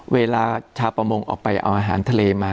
เวลาชาวประมงออกไปเอาอาหารทะเลมา